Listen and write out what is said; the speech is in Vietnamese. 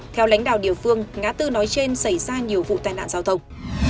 theo lãnh đạo địa phương ngã tư nói trên xảy ra nhiều vụ tai nạn giao thông